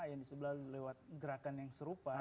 yang di sebelah lewat gerakan yang serupa